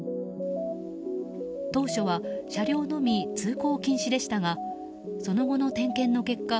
当初は車両のみ通行禁止でしたがその後の点検の結果